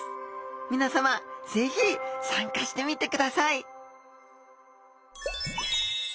皆さま是非参加してみてください！